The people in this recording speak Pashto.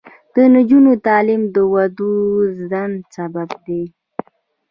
د نجونو تعلیم د ودونو ځنډ سبب دی.